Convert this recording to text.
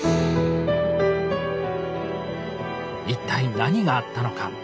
一体何があったのか。